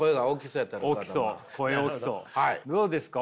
どうですか？